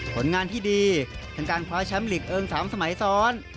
ผลงานที่ดีจนการคว้าชั้นบริกเอิ้น๓สมัยสอน